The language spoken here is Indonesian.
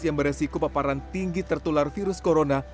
yang beresiko paparan tinggi tertular virus corona